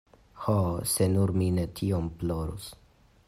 “Ho, se nur mi ne tiom plorus!”